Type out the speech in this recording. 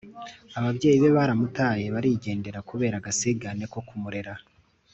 ababyeyi be baramutaye barigendera kubera agasigane ko kumurera